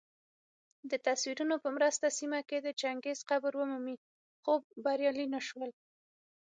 دتصویرونو په مرسته سیمه کي د چنګیز قبر ومومي خو بریالي نه سول